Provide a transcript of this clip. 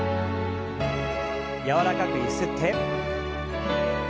柔らかくゆすって。